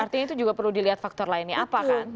artinya itu juga perlu dilihat faktor lainnya apa kan